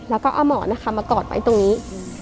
แล้วก็เอาหมอมากอดไปตรงนี้